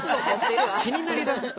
気になりだすと。